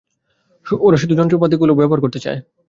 ওরা শুধু যন্ত্রপাতিগুলো ব্যবহার করতে চায়।